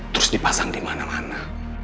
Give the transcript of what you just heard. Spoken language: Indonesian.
terus dipasang di mana mana